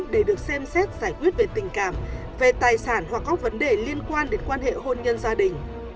để được xem xét giải quyết về tình cảm về tài sản hoặc các vấn đề liên quan đến quan hệ hôn nhân gia đình